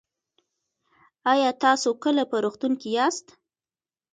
ایا تاسو کله په روغتون کې یاست؟